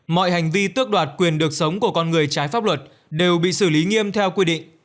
mọi hành vi tước đoạt quyền được sống của con người trái pháp luật đều bị xử lý nghiêm theo quy định